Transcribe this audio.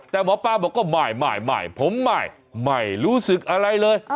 แต่หมอปลาบอกก็ไม่ใหม่ผมไม่รู้สึกอะไรเลย